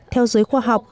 theo giới khoa học